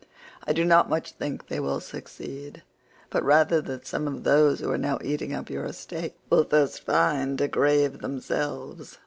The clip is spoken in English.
I do not much think they will succeed, but rather that some of those who are now eating up your estate will first find a grave themselves."